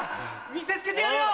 見せつけてやれよ！